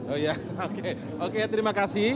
oh ya oke oke terima kasih